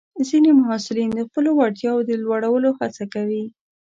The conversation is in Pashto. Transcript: ځینې محصلین د خپلو وړتیاوو د لوړولو هڅه کوي.